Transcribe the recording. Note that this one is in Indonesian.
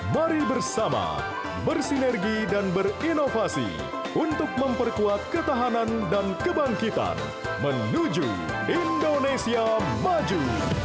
mari bersama bersinergi dan berinovasi untuk memperkuat ketahanan dan kebangkitan menuju indonesia maju